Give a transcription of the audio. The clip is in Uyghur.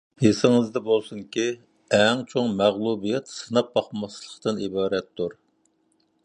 ئېسىڭىزدە بولسۇنكى، ئەڭ چوڭ مەغلۇبىيەت سىناپ باقماسلىقتىن ئىبارەتتۇر.